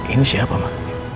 ini siapa ma